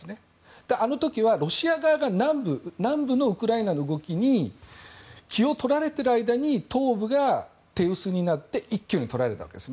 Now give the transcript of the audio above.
あの時はロシア側が南部のウクライナの動きに気を取られている間に東部が手薄になって一挙に取られたわけです。